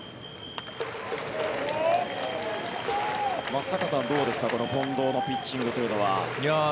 松坂さん、どうですか近藤のピッチングというのは。